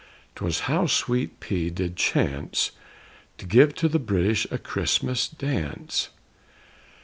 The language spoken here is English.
'Twas how Sweet P did chance To give to the British a Christmas dance.